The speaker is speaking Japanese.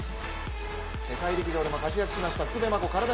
世界陸上でも活躍しました福部真子。